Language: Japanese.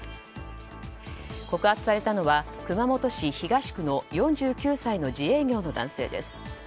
告発されたのは、熊本市東区の４９歳の自営業の男性です。